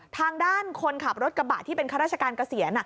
ทางด้านคนขับรถกระบะที่เป็นข้าราชการเกษียณ